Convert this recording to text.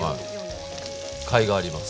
かいがあります。